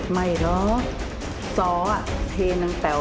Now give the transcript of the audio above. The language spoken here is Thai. อย่าก้าว